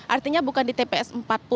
artinya bukan di tps empat puluh